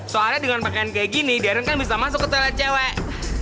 soalnya dengan pakaian kayak gini deren kan bisa masuk ke toilet cewek